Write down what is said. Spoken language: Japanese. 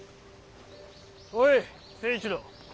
おい成一郎。